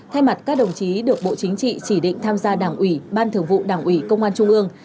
thay mặt các đồng chí được bộ chính trị chỉ định tham gia đảng ủy ban thường vụ đảng ủy công an trung ương